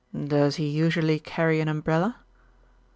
"Does he usually carry an umbrella?"